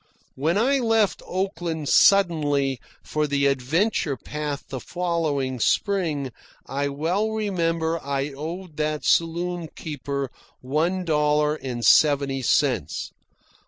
(When I left Oakland suddenly for the adventure path the following spring, I well remember I owed that saloon keeper one dollar and seventy cents.